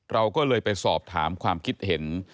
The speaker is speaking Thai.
เราก็เลยไปสอบถามความคิดเห็น